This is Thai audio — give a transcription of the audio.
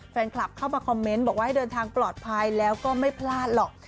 แฟนคลับเข้ามาคอมเมนต์บอกว่าให้เดินทางปลอดภัยแล้วก็ไม่พลาดหรอก